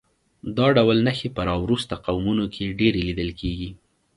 دا ډول نښې په راوروسته قومونو کې ډېرې لیدل کېږي